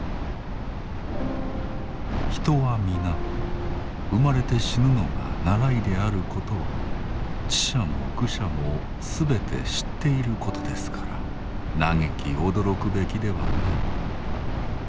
人は皆生まれて死ぬのが習いであることは智者も愚者もすべて知っていることですから嘆き驚くべきではない。